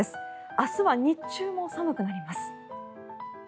明日は日中も寒くなります。